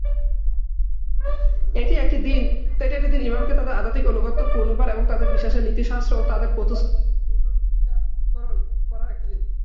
এটি একটি দিন ইমামকে তাদের আধ্যাত্মিক আনুগত্য পুনর্বার এবং তাদের বিশ্বাসের নীতিশাস্ত্র তাদের প্রতিশ্রুতি পুনর্নবীকরণ করার একটি দিন।